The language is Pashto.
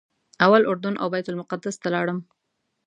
اول اردن او بیت المقدس ته لاړم.